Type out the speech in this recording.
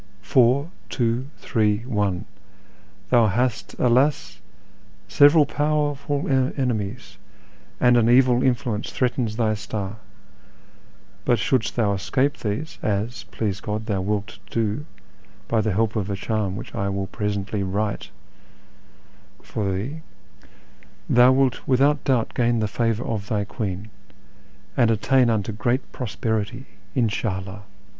Four, tivo, three, one; thou hast, alas ! several powerful enemies, and an evil influence threatens thy star; but shouldst thou escape these (rs, please God, thou wilt do, by the help of a charm which I will presently write for thee), thou wilt without doubt gain the favour of thy Queen, and attain unto great prosperity — In sha 'IWi